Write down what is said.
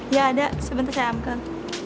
ya ada sebentar saya angkat